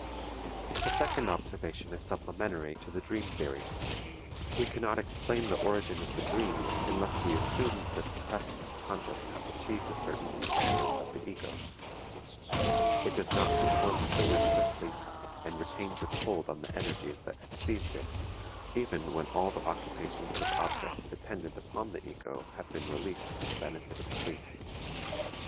The second observation is supplementary to the dream theory. We cannot explain the origin of the dream unless we assume that the suppressed unconscious has achieved a certain independence of the ego. It does not conform to the wish for sleep and retains its hold on the energies that have seized it, even when all the occupations with objects dependent upon the ego have been released for the benefit of sleep.